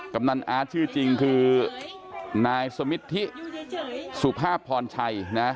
กำนันอาร์ตชื่อจริงคือนายสมิทธิสุภาพพรชัยนะ